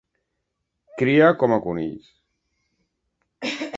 Criar com a conills.